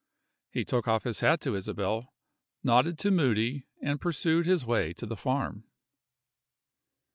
He took off his hat to Isabel, nodded to Moody, and pursued his way to the farm.